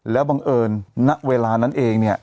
แล้วบังเอิญณเวลานั้นเองเนี่ย